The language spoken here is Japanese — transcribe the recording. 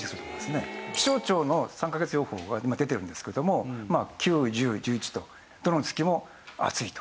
気象庁の３カ月予報が今出てるんですけれども９１０１１とどの月も暑いと。